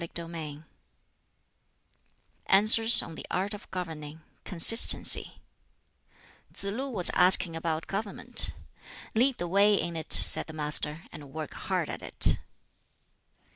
] BOOK XIII Answers on the Art of Governing Consistency Tsz lu was asking about government. "Lead the way in it," said the Master, "and work hard at it."